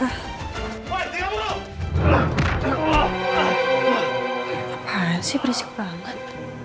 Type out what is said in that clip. apaan sih berisik banget